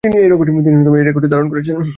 তিনি এই রেকর্ডটি ধারণ করেছিলেন।